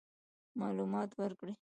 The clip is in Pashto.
معلومات ورکړي.